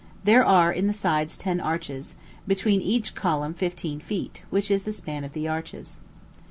There are in the sides ten arches; between each column fifteen feet, which is the span of the arches.